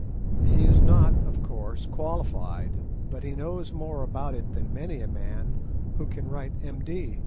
He is not, of course, qualified, but he knows more about it than many a man who can write M.D.